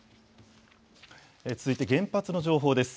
続いて原発の情報です。